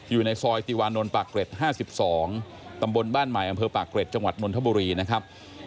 อยู่ในซอยติวานนท์ปากเกร็ด๕๒ตำบลบ้านใหม่อำเภอปากเกร็ดจังหวัดนทบุรีนะครับ